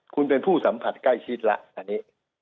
คุณเป็นผู้สัมผัสใกล้ชิดแล้วอันนี้